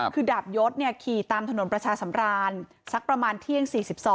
คือดาบยศขี่ตามถนนประชาสำราญสักประมาณเที่ยง๔๒